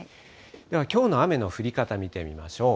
ではきょうの雨の降り方、見てみましょう。